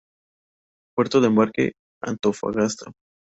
Puerto de embarque: Antofagasta.